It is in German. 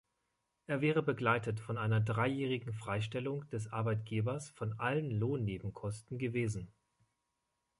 Er wäre begleitet von einer dreijährigen Freistellung des Arbeitgebers von allen Lohnnebenkosten gewesen.